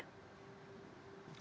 kita tetap berhati hati